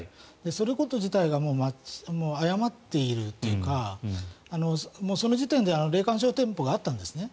そのこと自体が誤っているというかもうその時点で霊感商法店舗があったんですね。